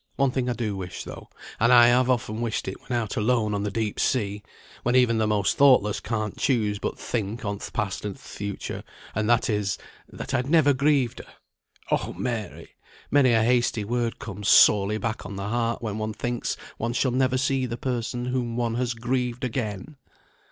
One thing I do wish though, and I have often wished it when out alone on the deep sea, when even the most thoughtless can't choose but think on th' past and th' future; and that is, that I'd never grieved her. Oh Mary! many a hasty word comes sorely back on the heart, when one thinks one shall never see the person whom one has grieved again!"